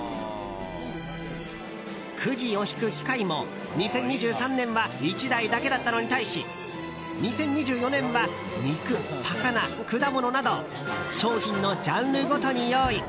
くじを引く機械も２０２３年は１台だけだったのに対し２０２４年は肉、魚、果物など商品のジャンルごとに用意。